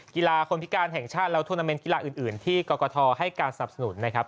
กีฬาคนพิการแห่งชาติและทวนาเมนต์กีฬาอื่นที่กรกฐให้การสนับสนุนนะครับ